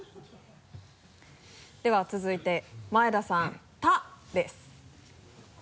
では続いて前田さん「た」です。